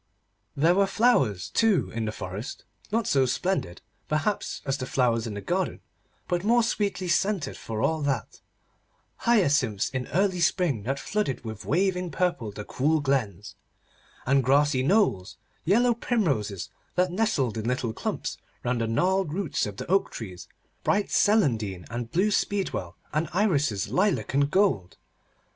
There were flowers, too, in the forest, not so splendid, perhaps, as the flowers in the garden, but more sweetly scented for all that; hyacinths in early spring that flooded with waving purple the cool glens, and grassy knolls; yellow primroses that nestled in little clumps round the gnarled roots of the oak trees; bright celandine, and blue speedwell, and irises lilac and gold.